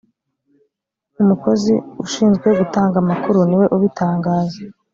umukozi ushinzwe gutanga amakuru ni we ubitangaza